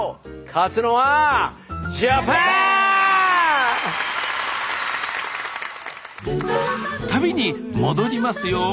勝つのは旅に戻りますよ。